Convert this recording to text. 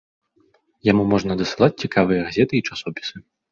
Яму можна дасылаць цікавыя газеты і часопісы.